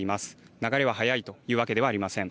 流れが速いというわけではありません。